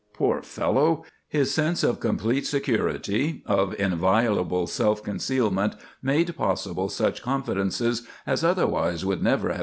Poor fellow! His sense of complete security, of inviolable self concealment, made possible such confidences as otherwise would never have been committed to paper.